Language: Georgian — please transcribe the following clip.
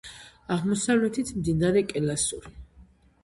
აღმოსავლეთით მდინარე კელასური.